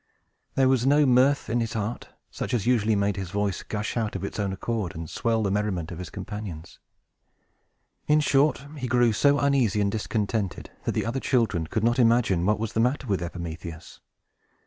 There was no mirth in his heart, such as usually made his voice gush out, of its own accord, and swell the merriment of his companions. In short, he grew so uneasy and discontented, that the other children could not imagine what was the matter with Epimetheus.